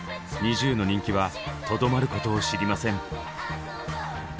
ＮｉｚｉＵの人気はとどまることを知りません。